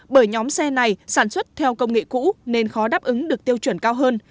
bởi nhóm xe này sản xuất theo công nghệ cũ nên khó đáp ứng được tiêu chuẩn cao hơn